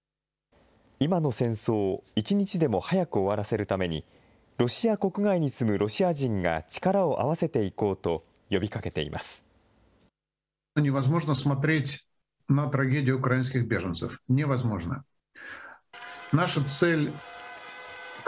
今の戦争を一日でも早く終わらせるために、ロシア国外に住むロシア人が力を合わせていこうと呼びかけています。